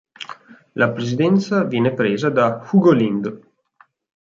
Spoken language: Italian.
La presidenza viene presa da Hugo Lind.